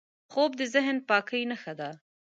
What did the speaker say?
خوب د ذهن پاکۍ نښه ده